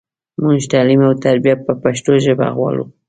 مونږ تعلیم او تربیه په پښتو ژبه غواړو.